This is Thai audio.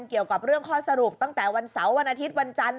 เกี่ยวกับเรื่องข้อสรุปตั้งแต่วันเสาร์วันอาทิตย์วันจันทร์